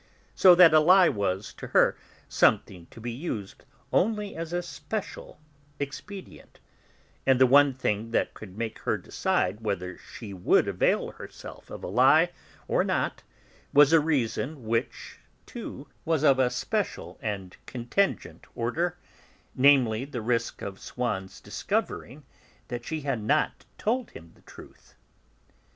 So that a lie was, to her, something to be used only as a special expedient; and the one thing that could make her decide whether she should avail herself of a lie or not was a reason which, too, was of a special and contingent order, namely the risk of Swann's discovering that she had not told him the truth.